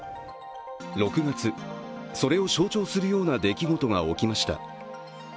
６月、それを象徴するような出来事が起きました。